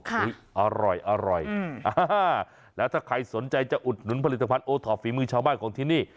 อร่อยอร่อยแล้วถ้าใครสนใจจะอุดหนุนผลิตภัณฑโอทอปฝีมือชาวบ้านของที่นี่